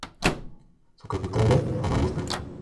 Su capital es Famagusta.